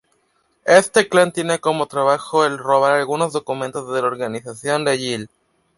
Esto clan tiene como trabajo el robar algunos documentos de la organización de Gill.